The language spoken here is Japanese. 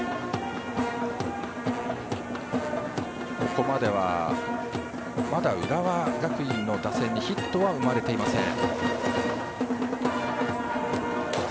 ここまではまだ浦和学院の打線にヒットは生まれていません。